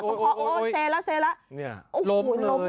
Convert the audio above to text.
ตรงข้อโอ้ยโอ้ยโอ้ยเสร็จแล้วเสร็จแล้วเนี่ยโอ้โหล้มเลย